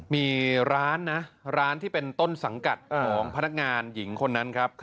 มีร้านนะร้านที่เป็นต้นสังกัดของพนักงานหญิงคนนั้นครับ